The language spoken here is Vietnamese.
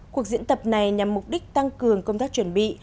cuộc diễn tập này nhằm mục đích tăng cường công tác chuẩn bị